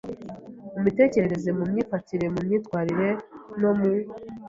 mu mitekerereze, mu myifatire, mu myitwarire no mu